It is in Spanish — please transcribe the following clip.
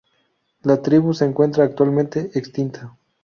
La tribu se encuentra actualmente extinta.